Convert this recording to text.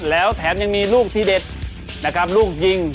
แล้วแถมยังมีลูกที่เด็ดนะครับลูกยิง